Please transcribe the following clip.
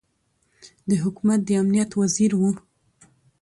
د حکومت د امنیت وزیر ؤ